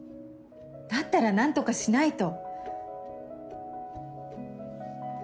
だったら何とかしないと。